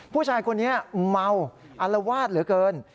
ผู้ชายคนนี้เมาอลวาดเหลือเกิน